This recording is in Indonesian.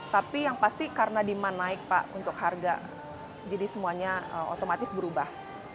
tapi yang pasti karena demand naik pak untuk harga jadi semuanya otomatis berubah